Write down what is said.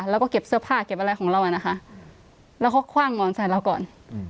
แล้วก็เก็บเสื้อผ้าเก็บอะไรของเราอ่ะนะคะแล้วเขาคว่างหมอนใส่เราก่อน